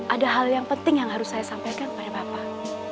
ada hal yang penting yang harus saya sampaikan kepada bapak